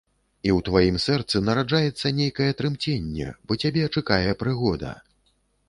І ў тваім сэрцы нараджаецца нейкае трымценне, бо цябе чакае прыгода.